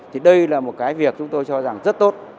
thì đây là một cái việc chúng tôi cho rằng rất tốt